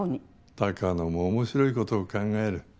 鷹野も面白いことを考える。